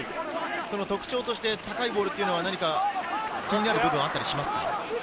特徴として高いボールというのは何か気になる部分はあったりしますか？